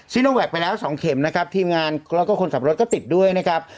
โนแวคไปแล้วสองเข็มนะครับทีมงานแล้วก็คนขับรถก็ติดด้วยนะครับ